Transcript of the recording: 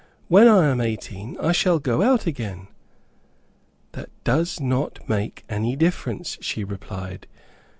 When I am eighteen I shall go out again." "That does not make any difference," she replied.